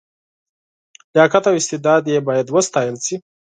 لیاقت او استعداد یې باید وستایل شي.